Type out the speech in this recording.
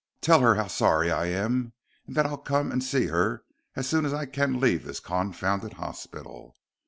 "Tell her how sorry I am, and that I'll come and see her as soon as I can leave this confounded hospital.